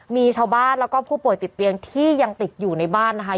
มีชาวบ้านแล้วก็ผู้ป่วยติดเตียงที่ยังติดอยู่ในบ้านนะคะ